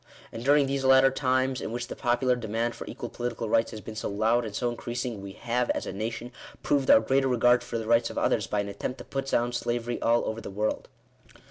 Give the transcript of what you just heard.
And during these latter times, in which the popular demand for equal political rights has been so loud and so increasing, we have, as a nation, proved our greater regard for the rights of others, by an attempt to put down slavery all over the world.